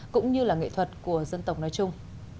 cũng như là nghệ thuật của dân tộc nói chung